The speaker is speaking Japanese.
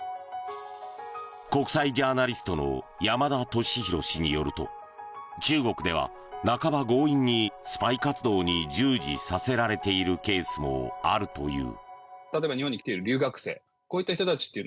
国際ジャーナリストの山田敏弘氏によると中国では半ば強引にスパイ活動に従事させられているケースもあるという。